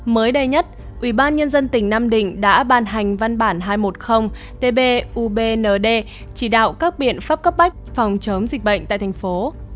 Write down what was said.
mới đây nhất ủy ban nhân dân tỉnh nam định đã ban hành văn bản hai trăm một mươi tb ubnd chỉ đạo các biện pháp cấp bách phòng chống dịch bệnh tại thành phố